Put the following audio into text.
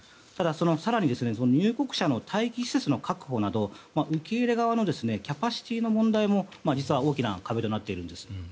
ただ、更に入国者の待機施設の確保など受け入れ側のキャパシティーの問題も実は大きな壁となっています。